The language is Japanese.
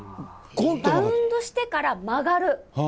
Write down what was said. バウンドしてから曲がる。